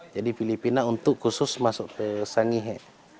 jadi filipina untuk khusus masuk ke sangihe